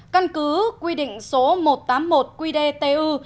căn cứ quy định số một trăm tám mươi một qdtu